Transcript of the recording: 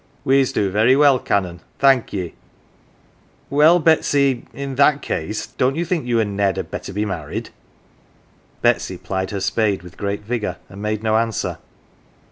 " We's do very well, Canon, thank ye." "Well, Betsv in that case don't you think you and Ned had better be married ?" Betsy plied her spade with great vigour, and made no answer.